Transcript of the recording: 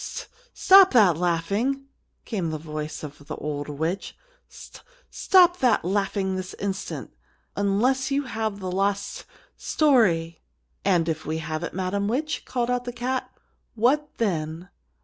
"St stop that laughing!" came the voice of the old witch. "St stop that laughing this instant, unless you have the lost st story!" "And if we have it, Madam Witch," called out the cat, "what then?"